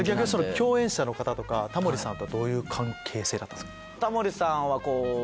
共演者の方とかタモリさんとはどういう関係性だったんですか？